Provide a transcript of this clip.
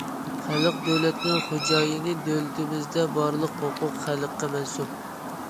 خەلق دۆلەتنىڭ خوجايىنى، دۆلىتىمىزدە بارلىق ھوقۇق خەلققە مەنسۇپ.